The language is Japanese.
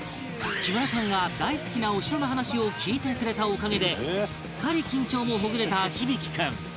木村さんが大好きなお城の話を聞いてくれたおかげですっかり緊張もほぐれた響大君